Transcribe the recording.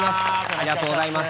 ありがとうございます。